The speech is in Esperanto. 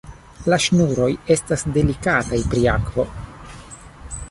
La ŝnuroj estas delikataj pri akvo.